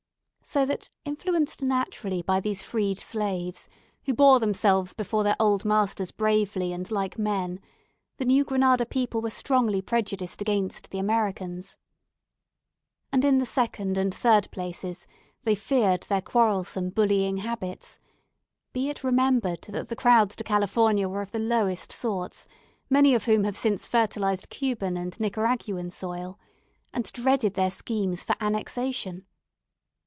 So that, influenced naturally by these freed slaves, who bore themselves before their old masters bravely and like men, the New Granada people were strongly prejudiced against the Americans. And in the second and third places, they feared their quarrelsome, bullying habits be it remembered that the crowds to California were of the lowest sorts, many of whom have since fertilised Cuban and Nicaraguan soil and dreaded their schemes for annexation.